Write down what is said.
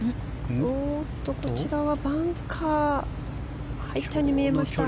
こちらはバンカー入ったように見えました。